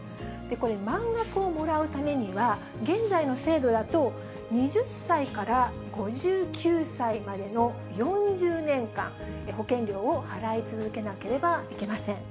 これ、満額をもらうためには、現在の制度だと、２０歳から５９歳までの４０年間、保険料を払い続けなければいけません。